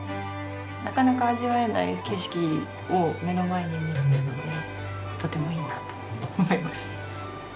なかなか味わえない景色を目の前に見られたのでとてもいいなと思いました。